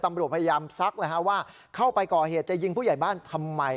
ตำรวจพยายามซักว่าเข้าไปก่อเหตุจะยิงผู้ใหญ่บ้านทำไม